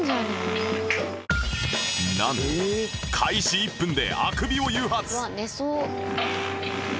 なんと開始１分であくびを誘発